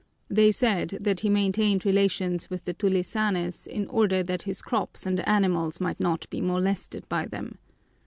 They said that he maintained relations with the tulisanes in order that his crops and animals might not be molested by them.